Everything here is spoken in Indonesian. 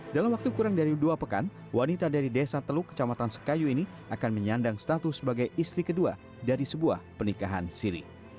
dalam waktu kurang dari dua pekan wanita dari desa teluk kecamatan sekayu ini akan menyandang status sebagai istri kedua dari sebuah pernikahan siri